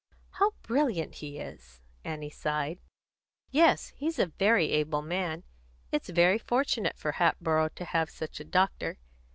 "How brilliant he is!" Annie sighed. "Yes, he's a very able man. It's very fortunate for Hatboro' to have such a doctor.